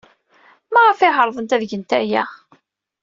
Maɣef ay ɛerḍent ad gent aya?